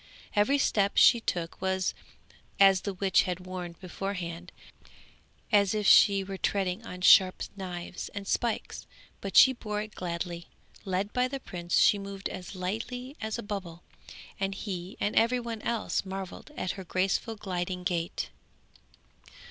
Every step she took was, as the witch had warned her beforehand, as if she were treading on sharp knives and spikes, but she bore it gladly; led by the prince, she moved as lightly as a bubble, and he and every one else marvelled at her graceful gliding gait.